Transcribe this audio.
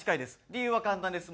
理由は簡単です。